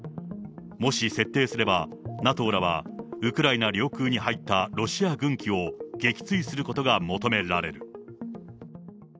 もし設定すれば、ＮＡＴＯらはウクライナ領空に入ったロシア軍機を撃墜することが求められる。